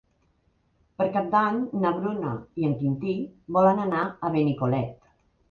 Per Cap d'Any na Bruna i en Quintí volen anar a Benicolet.